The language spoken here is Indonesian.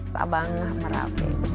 sabang merauke kita main side